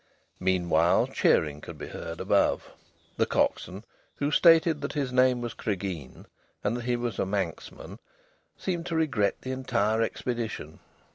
Meanwhile, cheering could be heard above. The coxswain, who stated that his name was Cregeen, and that he was a Manxman, seemed to regret the entire expedition.